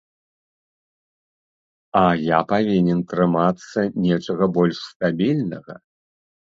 А я павінен трымацца нечага больш стабільнага.